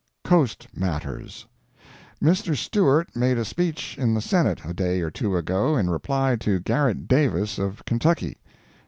"COAST" MATTERS Mr. Stewart made a speech in the Senate a day or two ago in reply to Garritt Davis of Kentucky.